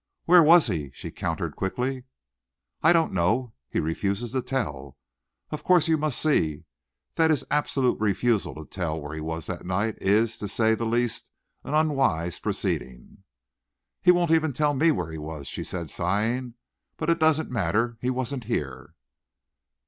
"Where was he?" she countered quickly. "I don't know. He refuses to tell. Of course you must see that his absolute refusal to tell where he was that night is, to say the least, an unwise proceeding." "He won't even tell me where he was," she said, sighing. "But it doesn't matter. He wasn't here."